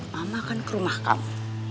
mama akan ke rumah kamu